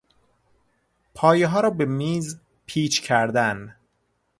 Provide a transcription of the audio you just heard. پایهها را به میز پیچ کردن